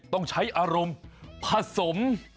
ต้องใช้อารมณ์ผสม